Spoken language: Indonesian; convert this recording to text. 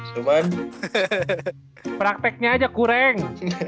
cuma prakteknya aja kureng